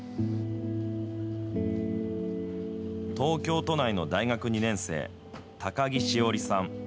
東京都内の大学２年生、高木しおりさん。